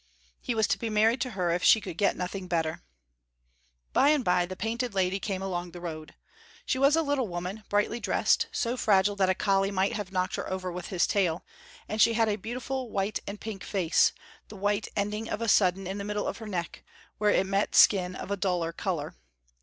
He was to be married to her if she could get nothing better. By and by the Painted Lady came along the road. She was a little woman, brightly dressed, so fragile that a collie might have knocked her over with his tail, and she had a beautiful white and pink face, the white ending of a sudden in the middle of her neck, where it met skin of a duller color.